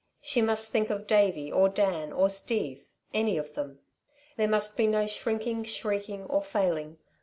She must think of Davey, or Dan, or Steve any of them. There must be no shrinking, shrieking, or failing.